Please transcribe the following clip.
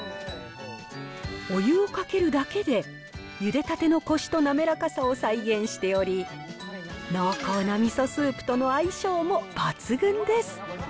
お湯をかけるだけで、ゆでたてのこしと滑らかさを再現しており、濃厚な味噌スープとの相性も抜群です。